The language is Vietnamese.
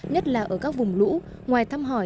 nhất là ở các vùng lũ ngoài thăm hỏi